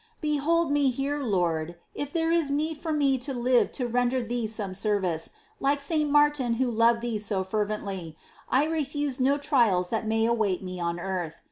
4. Behold me here. Lord ! if there is need for me to live to render Thee some service, like St. Martin who loved Thee so fervently,' I refuse no trials that may await me on earth.